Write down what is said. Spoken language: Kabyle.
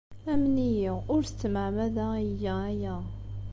Amen-iyi, ur s tmeɛmada ay iga aya.